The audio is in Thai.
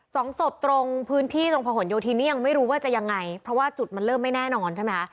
สองศพตรงพื้นที่ตรงผนโยธินนี่ยังไม่รู้ว่าจะยังไงเพราะว่าจุดมันเริ่มไม่แน่นอนใช่ไหมคะ